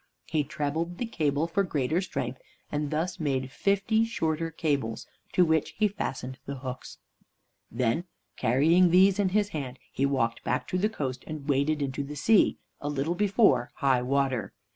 He trebled the cable for greater strength, and thus made fifty shorter cables, to which he fastened the hooks. Then, carrying these in his hand, he walked back to the coast and waded into the sea, a little before high water.